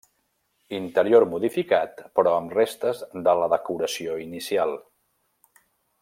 Interior modificat però amb restes de la decoració inicial.